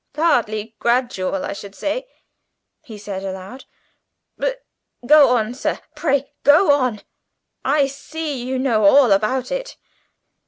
"Hardly gradual I should say," he said aloud. "But go on, sir, pray go on. I see you know all about it."